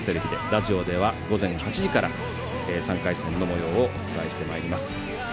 ラジオでは午前８時から３回戦のもようをお伝えします。